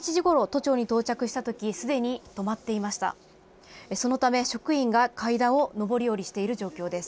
そのため職員が階段をのぼり降りしている状況です。